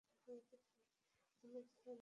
তিনি বললেন, কেনই বা কাজ নেই?